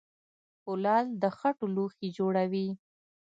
کولال د خټو لوښي جوړوي